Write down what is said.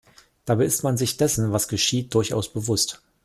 Dabei ist man sich dessen, was geschieht, durchaus bewusst.